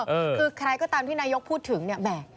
คือใครก็ตามที่นายกพูดถึงเนี่ยแหม